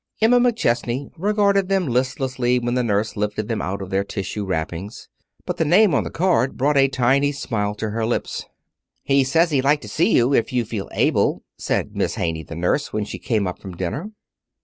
Emma McChesney regarded them listlessly when the nurse lifted them out of their tissue wrappings. But the name on the card brought a tiny smile to her lips. "He says he'd like to see you, if you feel able," said Miss Haney, the nurse, when she came up from dinner.